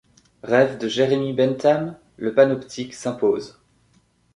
Rêve de Jeremy Bentham, le panoptique s'impose.